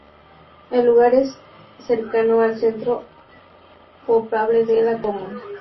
El lugar es cercano al centro poblado de la comuna.